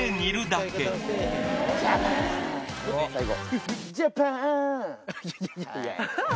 最後